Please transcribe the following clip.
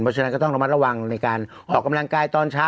เพราะฉะนั้นก็ต้องระมัดระวังในการออกกำลังกายตอนเช้า